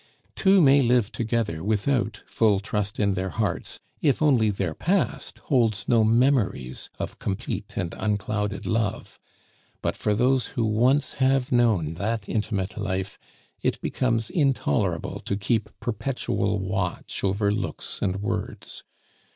Two may live together without full trust in their hearts if only their past holds no memories of complete and unclouded love; but for those who once have known that intimate life, it becomes intolerable to keep perpetual watch over looks and words.